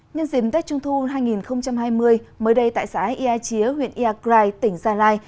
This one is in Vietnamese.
nhân dìm tết trung thu hai nghìn hai mươi mới đây tại xã ia chía huyện ia krai tỉnh gia lai